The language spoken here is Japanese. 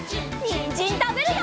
にんじんたべるよ！